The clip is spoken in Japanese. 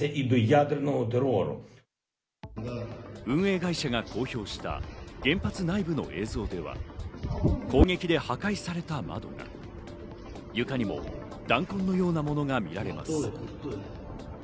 運営会社が公表した原発内部の映像では、攻撃で破壊された部分が床にも弾痕のようなものが見られます。